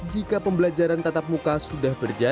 jika pembelajaran tatap muka tidak bisa dihubungkan